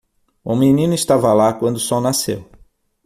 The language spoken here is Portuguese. O menino estava lá quando o sol nasceu.